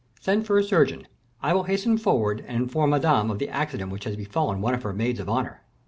Send for a surgeon. I will hasten forward and inform Madame of the accident which has befallen one of her maids of honor."